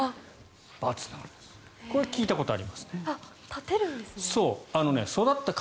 これは聞いたことありますね。